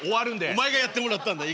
お前がやってもらったんだ。